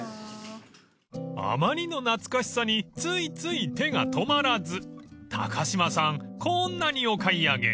［あまりの懐かしさについつい手が止まらず高島さんこんなにお買い上げ］